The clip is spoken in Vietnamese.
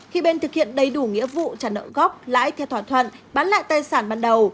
khi bên thực hiện đầy đủ nghĩa vụ trả nợ gốc lãi theo thỏa thuận bán lại tài sản ban đầu